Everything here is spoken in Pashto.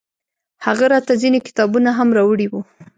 هغه راته ځينې کتابونه هم راوړي وو.